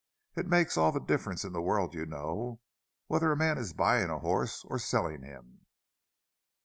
It makes all the difference in the world, you know, whether a man is buying a horse or selling him!"